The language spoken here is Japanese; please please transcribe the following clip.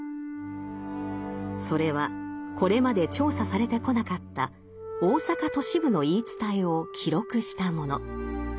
それはこれまで調査されてこなかった大阪都市部の言い伝えを記録したもの。